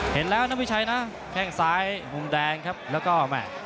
เห็นแล้วนะพี่ชัยนะแข้งซ้ายมุมแดงครับแล้วก็แม่